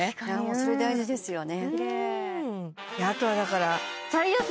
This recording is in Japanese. それ大事ですよね